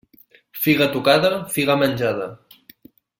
Figa tocada, figa menjada.